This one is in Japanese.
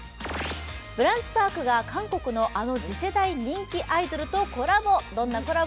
ブランチパークが韓国のあの次世代人気グループとコラボ。